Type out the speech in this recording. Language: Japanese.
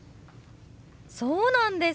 そうなんですか！